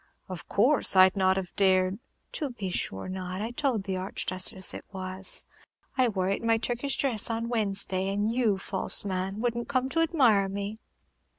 "Of course. I 'd not have dared " "To be sure not. I told the Archduchess it was. I wore it in my Turkish dress on Wednesday, and you, false man, would n't come to admire me!"